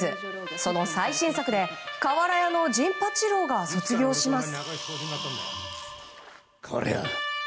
その最新作で瓦屋の陣八郎が卒業します。